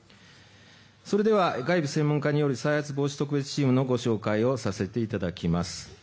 それでは、外部専門家による再発防止特別チームのご紹介をさせていただきます。